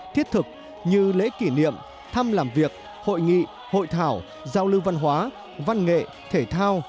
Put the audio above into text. thiết thực như lễ kỷ niệm thăm làm việc hội nghị hội thảo giao lưu văn hóa văn nghệ thể thao